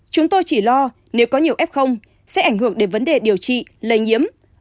chúng tôi chỉ lo nếu có nhiều ép không sẽ ảnh hưởng đến vấn đề điều trị lây nhiễm